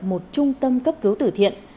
một trung tâm cấp cứu tử thiện